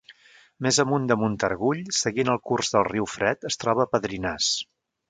Més amunt de Montargull, seguint el curs del riu Fred es troba Padrinàs.